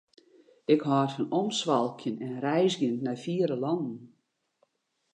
Ik hâld fan omswalkjen en reizgjen nei fiere lannen.